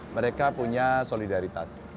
mereka punya solidaritas